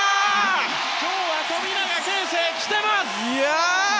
今日は富永啓生がきています！